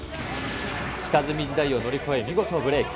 下積み時代を乗り越え見事ブレーク。